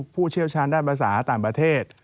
ผู้เชี่ยวชาญด้านภาษาต่างประเทศ